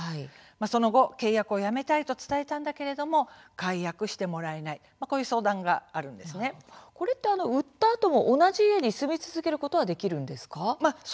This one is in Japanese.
その後、契約をやめたいと伝えたんだけれども解約してもらえない売ったあとも同じ家に住み続けることはできるんですか。